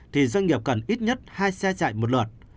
thì doanh nghiệp cần ít nhất hai xe chạy một lượt